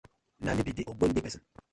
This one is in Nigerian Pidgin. Na mi bi de ogbonge pesin.